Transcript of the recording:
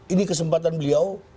ini kesempatan beliau